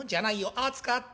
熱かった。